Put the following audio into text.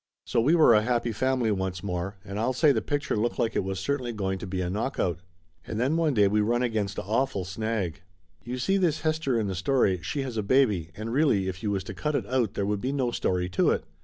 So we were a happy family once more, and I'll say the picture looked like it was certainly going to be a knockout. And then one day we run against a awful snag. You see this Hester in the story, she has a baby, and really if you was to cut it out there would be no story to it.